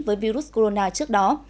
với virus corona trước đó